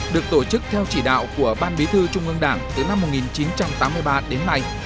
được tổ chức theo chỉ đạo của ban bí thư trung ương đảng từ năm một nghìn chín trăm tám mươi ba đến nay